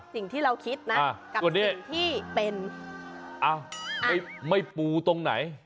สิ่งที่เราคิดนะกับสิ่งที่เป็นอ้าวไม่ไม่ปูตรงไหน